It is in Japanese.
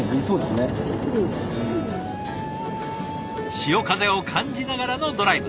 潮風を感じながらのドライブ。